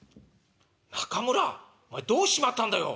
「中村お前どうしちまったんだよ。